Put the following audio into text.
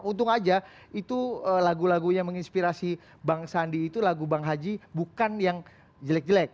untung aja itu lagu lagunya menginspirasi bang sandi itu lagu bang haji bukan yang jelek jelek